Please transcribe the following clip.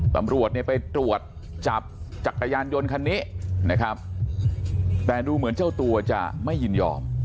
ตำรวจเนี่ยไปตรวจจับจักรยานยนต์คันนี้นะครับแต่ดูเหมือนเจ้าตัวจะไม่ยินยอม